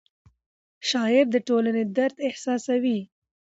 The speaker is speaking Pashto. شاعر د ټولنې درد احساسوي.